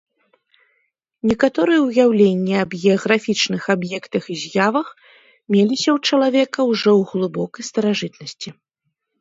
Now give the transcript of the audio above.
Некаторыя ўяўленні аб геаграфічных аб'ектах і з'явах меліся ў чалавека ўжо ў глыбокай старажытнасці.